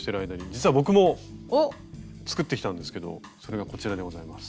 実は僕も作ってきたんですけどそれがこちらでございます。